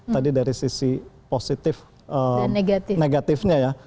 tadi dari sisi positif negatifnya ya